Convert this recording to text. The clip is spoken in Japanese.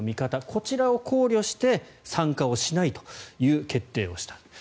こちらを考慮して参加をしないという決定をした。